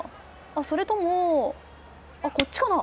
それとも、こっちかな？